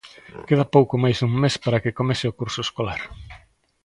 Queda pouco máis dun mes para que comece o curso escolar...